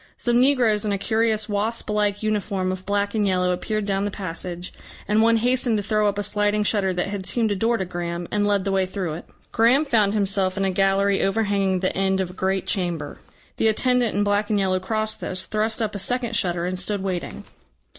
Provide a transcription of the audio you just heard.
Some negroes in a curious wasp like uniform of black and yellow appeared down the passage, and one hastened to throw up a sliding shutter that had seemed a door to Graham, and led the way through it. Graham found himself in a gallery overhanging the end of a great chamber. The attendant in black and yellow crossed this, thrust up a second shutter and stood waiting.